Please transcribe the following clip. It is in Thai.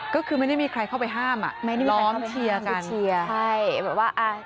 ก็คือไม่ได้มีใครเข้าไปห้ามล้อมเชียร์กัน